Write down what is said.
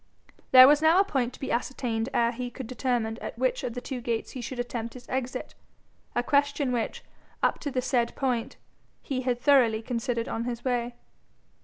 There was now a point to be ascertained ere he could determine at which of the two gates he should attempt his exit a question which, up to the said point, he had thoroughly considered on his way.